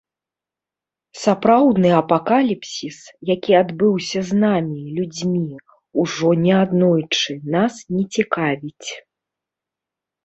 Сапраўдны апакаліпсіс, які адбыўся з намі, людзьмі, ужо не аднойчы, нас не цікавіць.